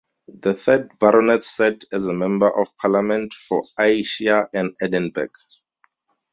The third Baronet sat as Member of Parliament for Ayrshire and Edinburgh.